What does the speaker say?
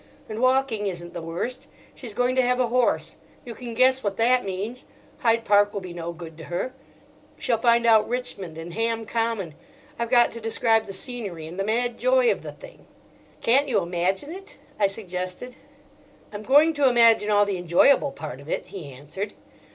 And walking isn't the worst. She's going to have a horse; you can guess what that means.—Hyde Park will be no good to her. She'll find out Richmond and Ham Common. I've got to describe the scenery and the mad joy of the thing." "Can't you imagine it?" I suggested. "I'm going to imagine all the enjoyable part of it," he answered.